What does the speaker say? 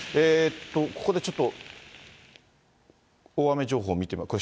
ここでちょっと、大雨情報見てみましょう。